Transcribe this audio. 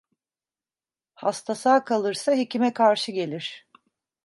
Hasta sağ kalırsa hekime karşı gelir.